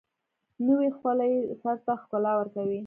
نوې خولۍ سر ته ښکلا ورکوي